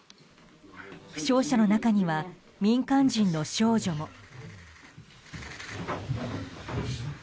負傷者の中には民間人の少女も。